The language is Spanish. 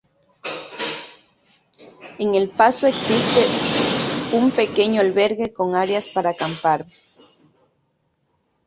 En el Paso existe un pequeño albergue con áreas para acampar.